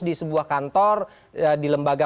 di sebuah kantor di lembaga